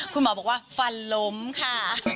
คุณหมอบอกว่าฟันล้มค่ะ